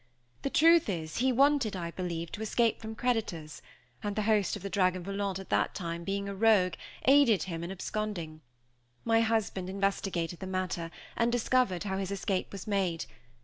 The truth is, he wanted, I believe, to escape from creditors; and the host of the Dragon Volant at that time, being a rogue, aided him in absconding. My husband investigated the matter, and discovered how his escape was made.